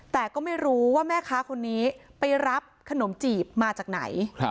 แต่ก็ไม่รู้ว่าแม่ค้าคนนี้ไปรับขนมจีบมาจากไหน